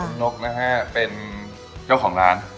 คุณนกนะฮะเป็นเจ้าของร้าน